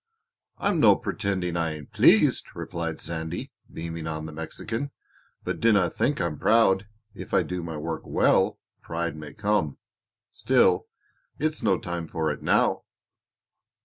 "I'm no pretending I ain't pleased," replied Sandy, beaming on the Mexican, "but dinna think I'm proud. If I do my work well pride may come; still, it's no time for it now."